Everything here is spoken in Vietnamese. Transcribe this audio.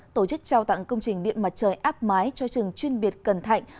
tổ chức trao tặng công trình điện mặt trời áp mái cho trường chuyên biệt cần thạnh